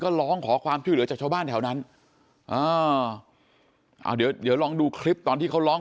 ก็ร้องขอความช่วยเหลือจากชาวบ้านแถวนั้นอ่าอ่าเดี๋ยวเดี๋ยวลองดูคลิปตอนที่เขาร้อง